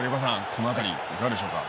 このあたりいかがでしょうか？